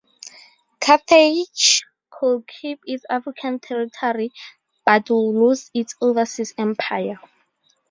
Carthage could keep its African territory but would lose its overseas empire.